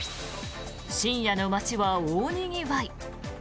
深夜の街は大にぎわい。